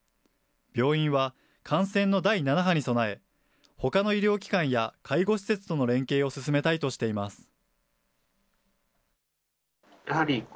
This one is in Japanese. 病院は感染の第７波に備え、ほかの医療機関や介護施設との連携を進めたいとしています。